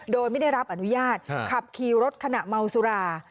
โดยไม่ได้รับอนุญาตขับขี่รถขณะเมาสุรา